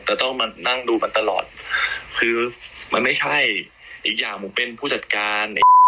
แต่ต้องมานั่งดูมันตลอดคือมันไม่ใช่อีกอย่างผมเป็นผู้จัดการ